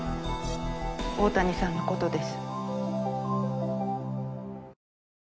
大谷さんのことです。